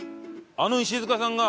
あの石塚さんが。